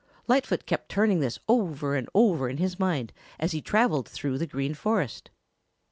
Lightfoot kept turning this over and over in his mind as he traveled through the Green Forest.